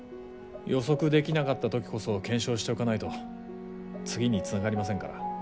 予測できなかった時こそ検証しておかないと次につながりませんから。